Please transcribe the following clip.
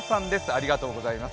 ありがとうございます。